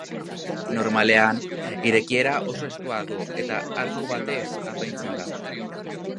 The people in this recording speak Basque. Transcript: Normalean irekiera oso estua du eta arku batez apaintzen da.